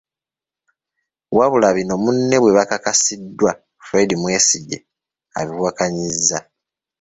Wabula bino munne bwe bakakasiddwa Fred Mwesigye, abiwakanyizza